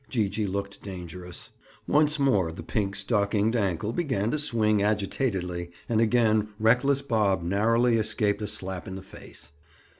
Gee gee looked dangerous. Once more the pink stockinged ankle began to swing agitatedly, and again reckless Bob narrowly escaped a slap in the face.